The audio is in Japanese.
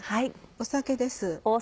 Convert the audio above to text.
酒です。